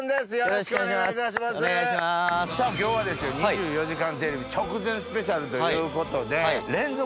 今日は『２４時間テレビ』直前スペシャルということで。